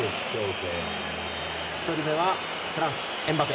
１人目はフランス、エムバペ。